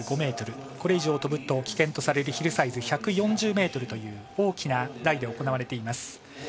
これ以上飛ぶと危険とされるヒルサイズ１４０ｍという大きな台で行われています。